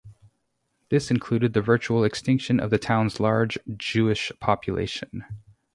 This included the virtual extinction of the town's large Jewish population.